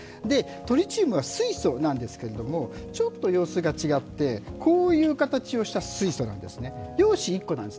トリチウムは水素なんですけれどもちょっと様子が違ってこういう形をした水素なんですね、陽子１個なんです。